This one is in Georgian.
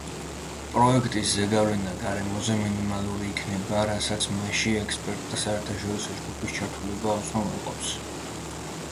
პროექტის ზეგავლენა გარემოზე მინიმალური იქნება, რასაც მასში ექსპერტთა საერთაშორისო ჯგუფის ჩართულობა უზრუნველყოფს.